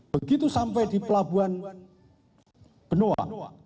begitu sampai di pelabuhan benoa